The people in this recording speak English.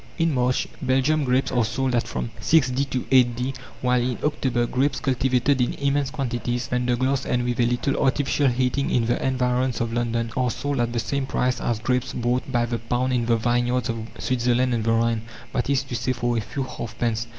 In March, Belgium grapes are sold at from 6d. to 8d., while in October, grapes cultivated in immense quantities under glass, and with a little artificial heating in the environs of London are sold at the same price as grapes bought by the pound in the vineyards of Switzerland and the Rhine, that is to say, for a few halfpence.